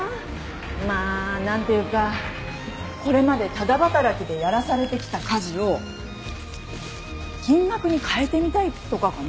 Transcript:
まあ何ていうかこれまでタダ働きでやらされてきた家事を金額に換えてみたいとかかな。